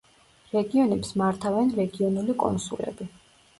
რეგიონებს მართავენ რეგიონული კონსულები.